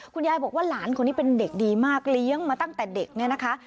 คุณยายบอกว่าหลานคนนี้เป็นเด็กดีมากเลี้ยงมาตั้งแต่เด็กเนี่ยนะคะ